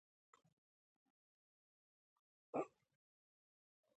زده کړي، بحث وکړي، فکر وکړي، نوښت وکړي.